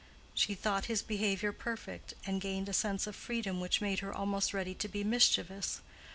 She thought his behavior perfect, and gained a sense of freedom which made her almost ready to be mischievous.